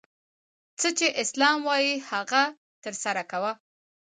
څه چي اسلام وايي هغه ترسره کوه!